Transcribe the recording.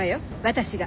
私が。